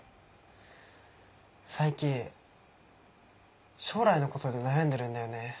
最近将来のことで悩んでるんだよね。